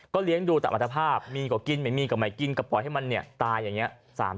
เลี้ยงดูตามอัตภาพมีก็กินไม่มีก็ไม่กินก็ปล่อยให้มันตายอย่างนี้